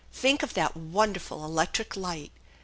Think of that wonderful electric light.